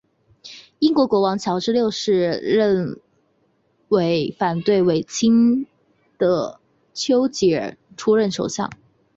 英国国王乔治六世委任反对绥靖的邱吉尔出任首相。